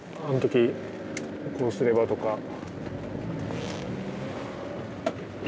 あん時こうすればとか。